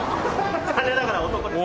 残念ながら男です。